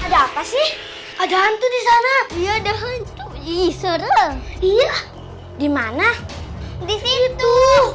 ada apa sih ada hantu di sana ia dahan tuh iso iya dimana di situ